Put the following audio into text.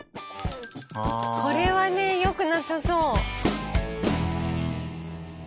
これはねよくなさそう。